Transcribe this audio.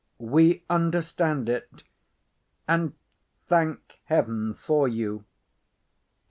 We understand it, and thank heaven for you.